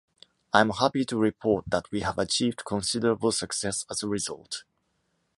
I am happy to report that we have achieved considerable success as a result.